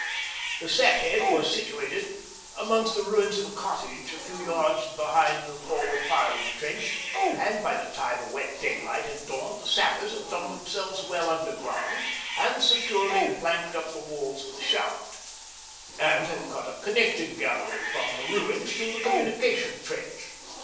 The sap head was situated amongst the ruins of a cottage a few yards behind the forward firing trench, and by the time a wet daylight had dawned the Sappers had dug themselves well underground, had securely planked up the walls of the shaft, and had cut a connecting gallery from the ruins to the communication trench.